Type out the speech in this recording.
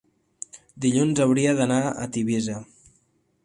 dilluns hauria d'anar a Tivissa.